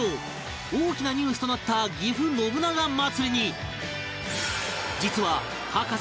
大きなニュースとなったぎふ信長まつりに